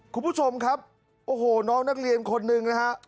คุณผู้ชมครับโอ้โหน้องนักเรียนคนหนึ่งนะฮะ